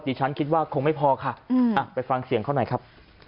ฉันคิดว่าคงไม่พอค่ะไปฟังเสียงเขาหน่อยครับ